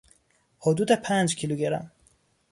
حدود پنج کیلوگرم